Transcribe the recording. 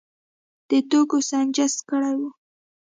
د توکو سنجش کړی و.